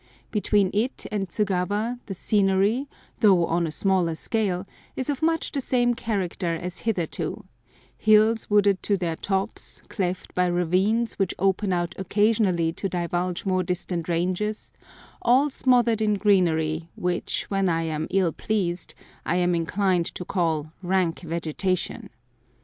Between it and Tsugawa the scenery, though on a smaller scale, is of much the same character as hitherto—hills wooded to their tops, cleft by ravines which open out occasionally to divulge more distant ranges, all smothered in greenery, which, when I am ill pleased, I am inclined to call "rank vegetation."